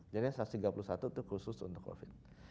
jadi satu ratus tiga puluh satu itu khusus untuk covid